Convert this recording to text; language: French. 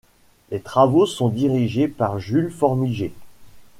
Les travaux sont dirigés par Jules Formigé.